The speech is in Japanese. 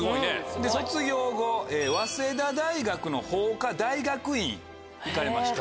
卒業後早稲田大学の法科大学院行かれました。